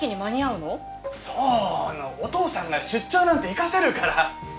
そうお父さんが出張なんて行かせるから！